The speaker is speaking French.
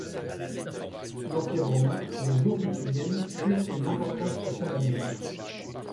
Sous l'Empire romain, les Eaux cutiliennes furent une importante station balnéaire.